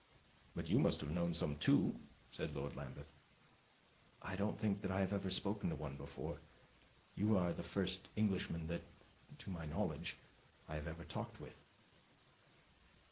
"But you must have known some, too," said Lord Lambeth. "I don't think that I have ever spoken to one before. You are the first Englishman that to my knowledge I have ever talked with."